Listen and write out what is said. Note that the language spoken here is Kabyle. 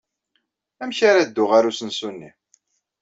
Amek ara dduɣ ɣer usensu-nni?